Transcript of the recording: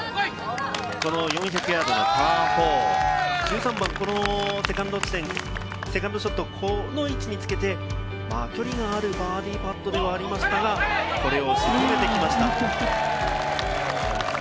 ４００ヤードのパー４、１３番、このセカンド地点、セカンドショット、この位置につけて距離があるバーディーパットではありましたが、これを沈めてきました。